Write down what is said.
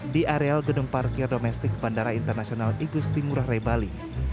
di areal gedung parkir domestik bandara internasional igusti ngurah rai bali